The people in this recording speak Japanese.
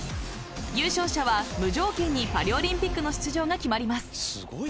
優勝者は無条件にパリオリンピックの出場が決まります。